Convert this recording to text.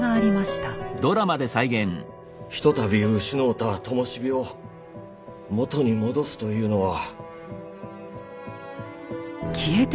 一たび失うたともし火を元に戻すというのは。